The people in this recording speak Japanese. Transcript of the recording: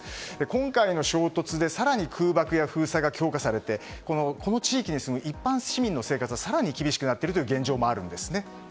今回の衝突で更に空爆や封鎖が強化されてこの地域に住む一般市民の生活は更に厳しくなっている現状もあるんですね。